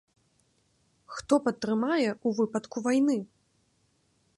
Хто падтрымае ў выпадку вайны?